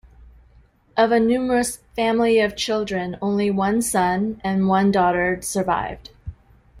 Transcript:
Of a numerous family of children only one son and one daughter survived.